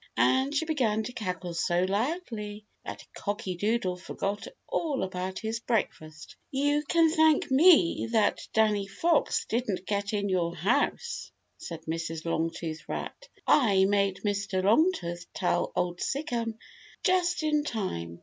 And she began to cackle so loudly that Cocky Doodle forgot all about his breakfast. "You can thank me that Danny Fox didn't get in your house," said Mrs. Longtooth Rat. "I made Mr. Longtooth tell Old Sic'em just in time.